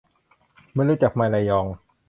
ไม่รู้จักไมค์ ระยอง